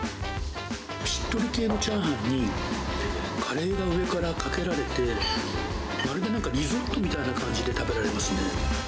しっとり系のチャーハンに、カレーが上からかけられて、まるでなんか、リゾットみたいな感じで食べられますね。